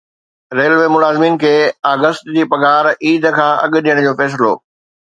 railway ملازمن کي August جي پگھار عيد کان اڳ ڏيڻ جو فيصلو